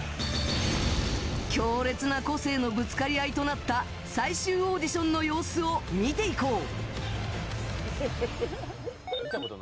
強烈な個性のぶつかり合いとなった最終オーディションの様子を見ていこう。